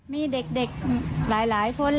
มีเด็กหลายคน